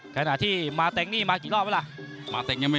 ขณะที่มาตรงนี้มากี่รอบเวลาล่ะ